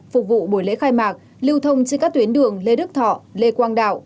phục vụ buổi lễ khai mạc lưu thông trên các tuyến đường lê đức thọ lê quang đạo